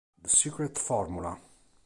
The Secret Formula